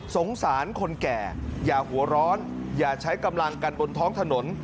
สงสารคนแก่อย่าหัวร้อนอย่าใช้กำลังกันบนท้องถนน